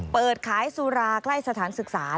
เปิดขายสุราใกล้สถานศึกษา